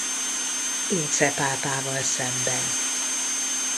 Ince pápával szemben.